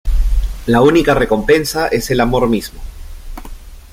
La única recompensa es el amor mismo.